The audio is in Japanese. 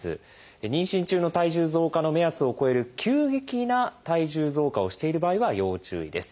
妊娠中の体重増加の目安を超える急激な体重増加をしている場合は要注意です。